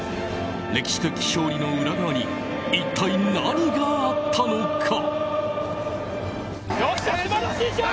歴史的勝利の裏側に一体何があったのか。